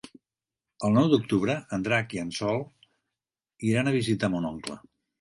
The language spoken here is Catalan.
El nou d'octubre en Drac i en Sol iran a visitar mon oncle.